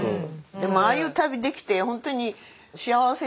でもああいう旅できてほんとに幸せですよね。